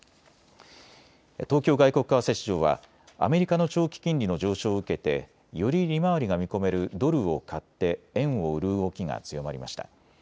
東京外国為替市場はアメリカの長期金利の上昇を受けて、より利回りが見込めるドルを買って円を売る動きが強まりました。